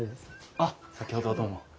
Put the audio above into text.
あっ先ほどはどうも。